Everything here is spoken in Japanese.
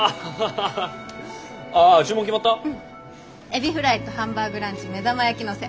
エビフライとハンバーグランチ目玉焼き乗せ。